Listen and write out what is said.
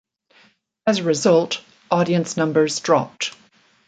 As a result, audience numbers dropped.